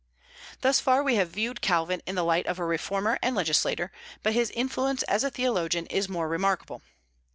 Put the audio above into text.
Thus far we have viewed Calvin in the light of a reformer and legislator, but his influence as a theologian is more remarkable.